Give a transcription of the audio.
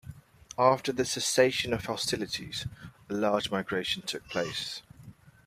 After the cessation of hostilities, a large migration took place.